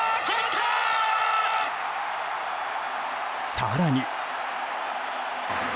更に。